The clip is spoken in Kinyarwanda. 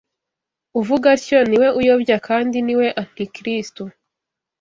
Uvuga atyo ni we uyobya kandi ni we Antikristo